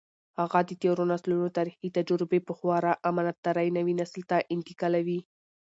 هغه د تېرو نسلونو تاریخي تجربې په خورا امانتدارۍ نوي نسل ته انتقالوي.